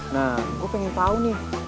nah gue pengen tahu nih